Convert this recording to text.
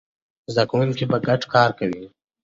زده کوونکي به ګډ کار کوي.